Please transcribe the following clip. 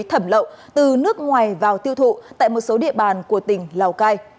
thẩm lậu từ nước ngoài vào tiêu thụ tại một số địa bàn của tỉnh lào cai